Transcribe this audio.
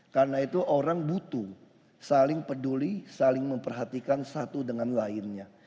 karena itu orang butuh saling peduli saling memperhatikan satu dengan lainnya